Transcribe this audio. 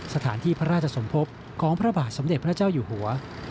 สถานที่พระราชสมภพของพระบาทสมเด็จพระเจ้าอยู่หัว